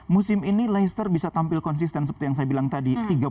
musim ini leicester bisa tampil konsisten seperti yang saya bilang tadi